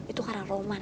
itu karena roman